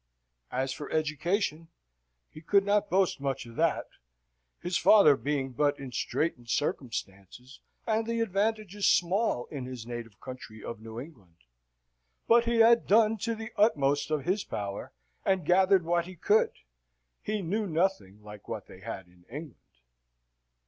As for education, he could not boast much of that his father being but in straitened circumstances, and the advantages small in his native country of New England: but he had done to the utmost of his power, and gathered what he could he knew nothing like what they had in England.